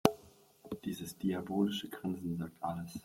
Dieses diabolische Grinsen sagt alles.